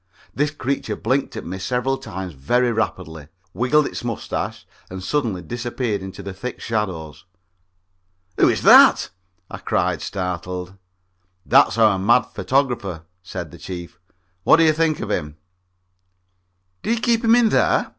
This creature blinked at me several times very rapidly, wiggled its mustache and suddenly disappeared into the thick shadows. "Who is that?" I cried, startled. "That's our mad photographer," said the Chief. "What do you think of him?" "Do you keep him in there?"